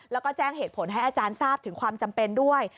แล้วก็แจ้งเหตุผลให้อาจารย์ทราบถึงความจำเป็นด้วย